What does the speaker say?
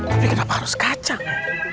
tapi kenapa harus kacang